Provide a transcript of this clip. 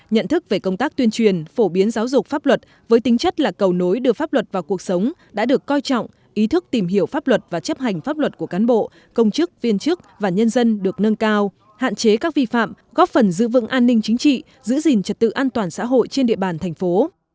nhận thức về công tác tuyên truyền phổ biến giáo dục pháp luật với tính chất là cầu nối đưa pháp luật vào cuộc sống đã được coi trọng ý thức tìm hiểu pháp luật và chấp hành pháp luật của cán bộ công chức viên chức và nhân dân được nâng cao hạn chế các vi phạm góp phần giữ vững an ninh chính trị giữ gìn trật tự an toàn xã hội trên địa bàn thành phố